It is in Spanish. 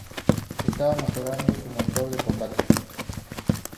Estaba mejorando su motor de combate.